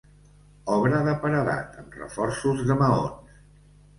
Obra de paredat, amb reforços de maons.